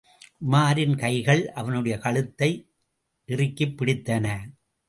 உமாரின் கைகள் அவனுடைய கழுத்தை இறுக்கிப் பிடித்தன.